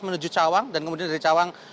menuju cawang dan kemudian dari cawang